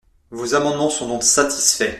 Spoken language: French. Vos amendements sont donc satisfaits.